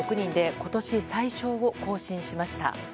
今年最少を更新しました。